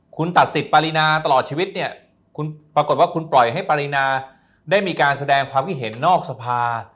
คุณตัดสิทธิปรินาตลอดชีวิตเนี่ยคุณปรากฏว่าคุณปล่อยให้ปรินาได้มีการแสดงความคิดเห็นนอกสภา